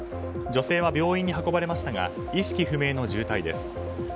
女性は病院に運ばれましたが意識不明の重体です。